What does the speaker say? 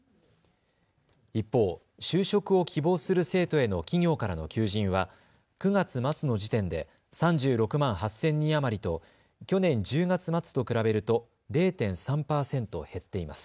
一方、就職を希望する生徒への企業からの求人は９月末の時点で３６万８０００人余りと去年１０月末と比べると０．３％減っています。